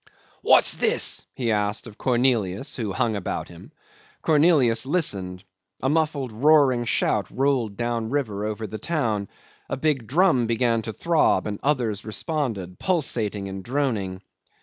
"What's this?" he asked of Cornelius, who hung about him. Cornelius listened. A muffled roaring shout rolled down river over the town; a big drum began to throb, and others responded, pulsating and droning.